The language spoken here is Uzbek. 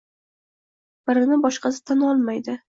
Birini boshqasi tan olmaydi.